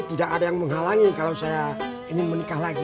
tidak ada yang menghalangi kalau saya ingin menikah lagi